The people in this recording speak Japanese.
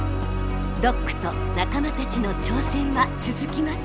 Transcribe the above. ドックと仲間たちの挑戦は続きます！